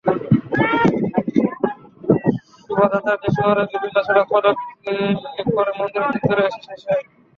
শোভাযাত্রাটি শহরের বিভিন্ন সড়ক প্রদক্ষিণ করে মন্দিরের চত্বরে এসে শেষ হয়।